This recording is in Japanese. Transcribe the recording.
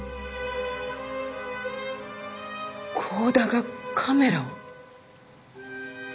光田がカメラを？